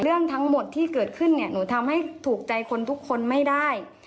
เรื่องทั้งหมดที่เกิดขึ้นเนี่ยหนูทำให้ถูกใจคนทุกคนไม่ได้